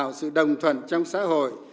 tạo sự đồng thuận trong xã hội